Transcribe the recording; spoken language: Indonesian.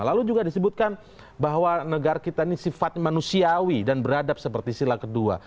lalu juga disebutkan bahwa negara kita ini sifatnya manusiawi dan beradab seperti sila kedua